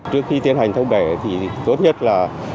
trước khi tiến hành thông bể thì tốt nhất là